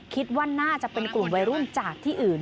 คิดว่าน่าจะเป็นกลุ่มวัยรุ่นจากที่อื่น